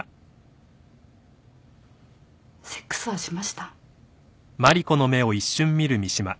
セックスはしました？